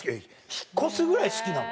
引っ越すぐらい好きなの？